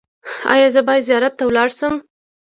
ایا زه باید زیارت ته لاړ شم؟